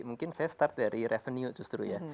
mungkin saya start dari revenue justru ya